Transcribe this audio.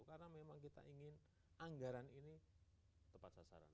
karena memang kita ingin anggaran ini tepat sasaran